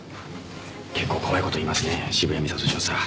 結構怖い事言いますね渋谷美里巡査。